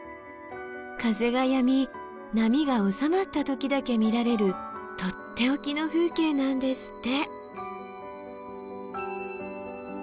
風がやみ波がおさまった時だけ見られるとっておきの風景なんですって。